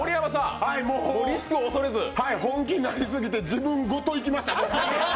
はい、本気になりすぎて、自分ごといきました。